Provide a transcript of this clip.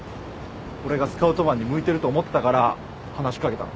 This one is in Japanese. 俺がスカウトマンに向いてると思ったから話し掛けたの？